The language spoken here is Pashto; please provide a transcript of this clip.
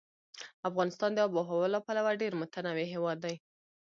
افغانستان د آب وهوا له پلوه ډېر متنوع هېواد دی.